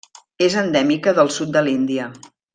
És endèmica del sud de l'Índia.